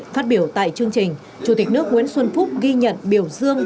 phát biểu tại chương trình chủ tịch nước nguyễn xuân phúc ghi nhận biểu dương